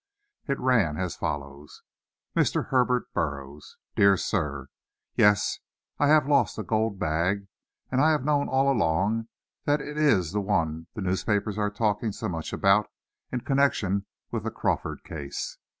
It ran as follows, Mr. HERBERT Burroughs, Dear Sir: Yes, I have lost a gold bag, and I have known all along that it is the one the newspapers are talking so much about in connection with the Crawford case.